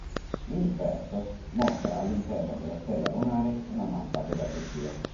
Il "verso" mostra all'interno della stella lunare una mappa della Turchia.